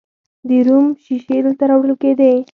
د روم شیشې دلته راوړل کیدې